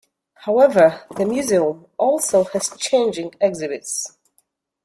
However, the museum also has changing exhibits.